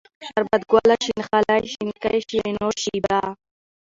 شربت گله ، شين خالۍ ، شينکۍ ، شيرينو ، شېبه